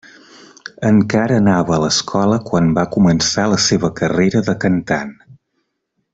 Encara anava a l'escola quan va començar la seva carrera de cantant.